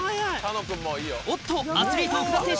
おっとアスリート奥田選